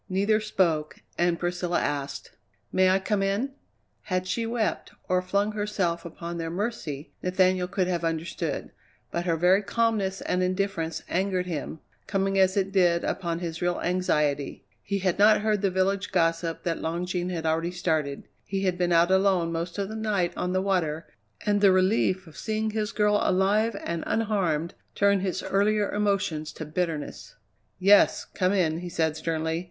Neither spoke and Priscilla asked: "May I come in?" Had she wept, or flung herself upon their mercy, Nathaniel could have understood, but her very calmness and indifference angered him, coming as it did upon his real anxiety. He had not heard the village gossip that Long Jean had already started. He had been out alone most of the night on the water, and the relief of seeing his girl alive and unharmed turned his earlier emotions to bitterness. "Yes, come in," he said sternly.